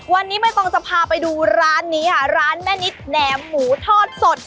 วันนี้ไม่ต้องจะพาไปดูร้านนี้ค่ะร้านแม่นิดแหนมหมูทอดสด